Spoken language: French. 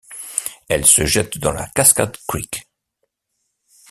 Elle se jette dans la Cascade Creek.